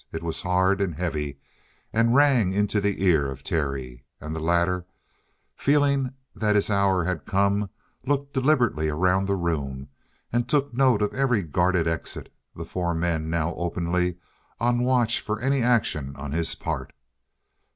It was hard and heavy and rang into the ear of Terry. And the latter, feeling that his hour had come, looked deliberately around the room and took note of every guarded exit, the four men now openly on watch for any action on his part.